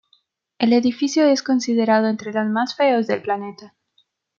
El edificio es considerado entre los más feos del planeta.